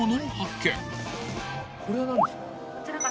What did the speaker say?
これは何ですか？